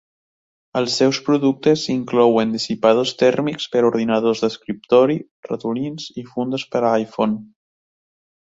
Els seus productes inclouen dissipadors tèrmics per a ordinadors d'escriptori, ratolins i fundes per a iPhone.